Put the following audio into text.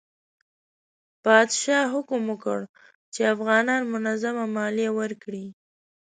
پادشاه حکم وکړ چې افغانان منظمه مالیه ورکړي.